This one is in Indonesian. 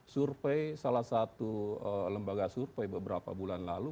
survei salah satu lembaga survei beberapa bulan lalu